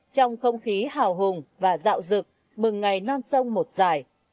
trong không khí hào hùng và dạo rực mừng ngày non sông một dài